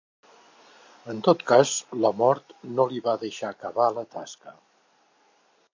En tot cas la mort no li va deixar acabar la tasca.